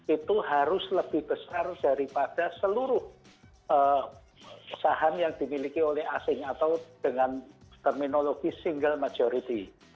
itu harus lebih besar daripada seluruh saham yang dimiliki oleh asing atau dengan terminologi single majority